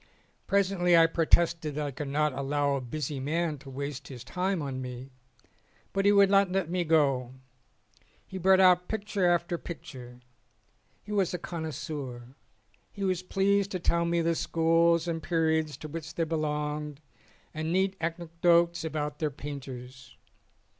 Presently I protested that I could not allow a busy man to waste his time on me, but he would not let me go. He brought out picture after picture. He was a connoisseur. He was pleased to tell me the schools and periods to which they belonged and neat anecdotes about their painters.